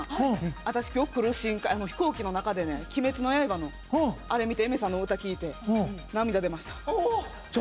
私、今日来る飛行機の中で「鬼滅の刃」のあれ見てＡｉｍｅｒさんの曲聴いて涙、出ました。